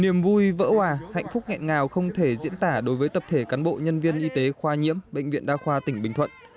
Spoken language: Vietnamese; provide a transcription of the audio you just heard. niềm vui vỡ hòa hạnh phúc nghẹn ngào không thể diễn tả đối với tập thể cán bộ nhân viên y tế khoa nhiễm bệnh viện đa khoa tỉnh bình thuận